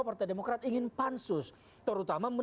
partai demokrat ingin pansus terutama